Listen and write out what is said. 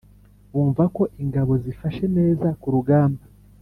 bumva ko ingabo zifashe neza ku rugamba.